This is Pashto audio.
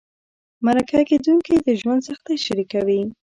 مرکه کېدونکي د ژوند سختۍ شریکوي.